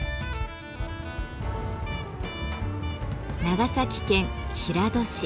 長崎県平戸市。